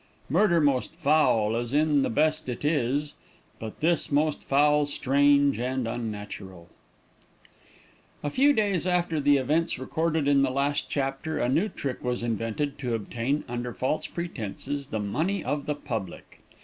"Murder most foul, as in the best it is; But this most foul, strange, and unnatural." A few days after the events recorded in the last chapter, a new trick was invented to obtain under, false pretences, the money of the public.